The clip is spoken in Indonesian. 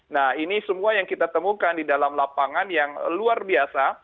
nah ini semua yang kita temukan di dalam lapangan yang luar biasa